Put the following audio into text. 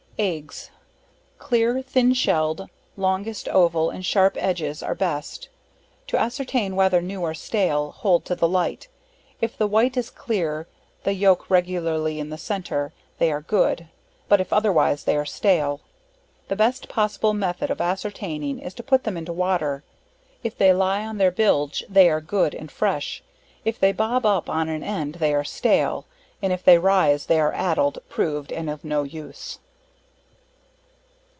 Eggs Clear, thin shell'd, longest oval and sharp ends are best; to ascertain whether new or stale hold to the light, if the white is clear, the yolk regularly in the centre, they are good but if otherwise, they are stale. The best possible method of ascertaining, is to put them into water, if they lye on their bilge, they are good and fresh if they bob up an end they are stale, and if they rise they are addled, proved, and of no use.